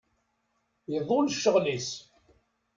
Iḍul ccɣel-is.